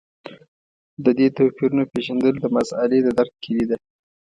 د دې توپیرونو پېژندل د مسألې د درک کیلي ده.